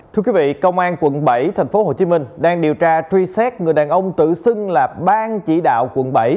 thưa quý vị công an quận bảy tp hcm đang điều tra truy xét người đàn ông tự xưng là bang chỉ đạo quận bảy